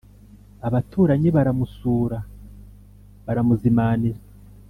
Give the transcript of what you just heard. abaturanyi baramusura baramuzimanira